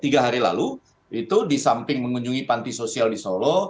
tiga hari lalu itu di samping mengunjungi panti sosial di solo